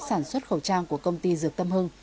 sản xuất khẩu trang của công ty dược tâm hưng